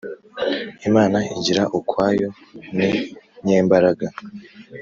imana igira ukwayo ni nyembaraga